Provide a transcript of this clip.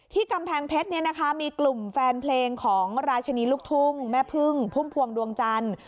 กำแพงเพชรมีกลุ่มแฟนเพลงของราชินีลูกทุ่งแม่พึ่งพุ่มพวงดวงจันทร์